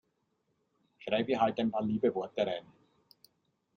Schreib ihr halt ein paar liebe Worte rein.